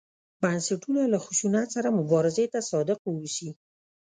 بنسټونه له خشونت سره مبارزې ته صادق واوسي.